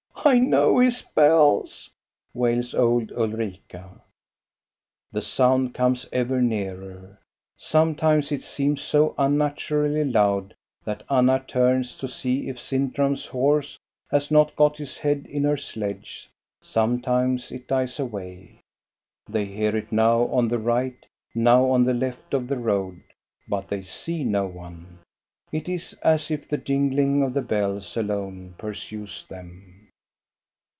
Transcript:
I know his bells," wails old Ulrika. The sound comes ever nearer. Sometimes it seems so unnaturally loud that Anna turns to see if Sintram's horse has not got his head in her sledge; sometimes it dies away. They hear it now on the right, now on the left of the road, but they see no one. It is as if the jingling of the bells alone pursues them.